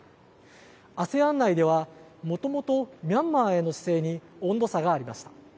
ＡＳＥＡＮ内ではもともとミャンマーへの姿勢に温度差がありました。